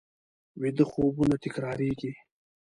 ویده خوبونه تکرارېږي